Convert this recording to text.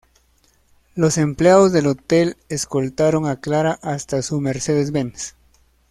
Los empleados del hotel escoltaron a Clara hasta su Mercedes-Benz.